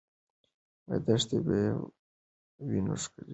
دښته چې په وینو ښکلې سوه، د جنګ میدان وو.